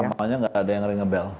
satu namanya nggak ada yang ringebel